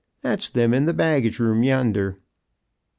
That's them in the Baggage room yender."